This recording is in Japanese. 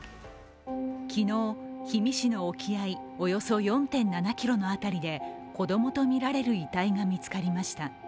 昨日、氷見市の沖合およそ４．７ｋｍの辺りで子供とみられる遺体が見つかりました。